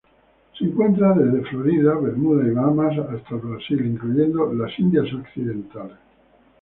Se encuentra desde Florida, Bermuda y Bahamas hasta el Brasil, incluyendo las Indias Occidentales.